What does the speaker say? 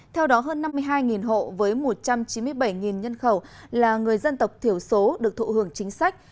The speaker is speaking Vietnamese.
theo đó hơn năm mươi hai hộ với một trăm chín mươi bảy nhân khẩu là người dân tộc thiểu số được thụ hưởng chính sách